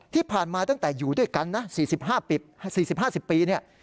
ที่ผ่านมาตั้งแต่อยู่ด้วยกันนะ๔๕ปี